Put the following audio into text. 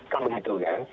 kalau begitu kan